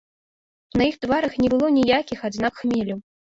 На іх тварах не было ніякіх адзнак хмелю.